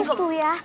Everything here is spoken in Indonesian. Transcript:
terus tuh ya